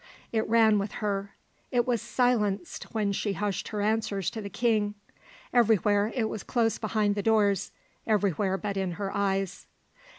It ran with her. It was silenced when she hushed her answers to the king. Everywhere it was close behind the doors everywhere but in her eyes.